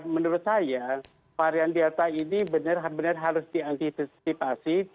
menurut saya varian delta ini benar benar harus diantisipasi